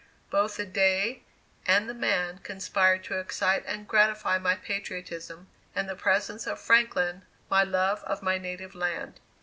Both the day and the man conspired to excite and gratify my patriotism; and the presence of Franklin, my love of my native land.